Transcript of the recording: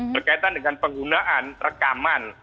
berkaitan dengan penggunaan rekaman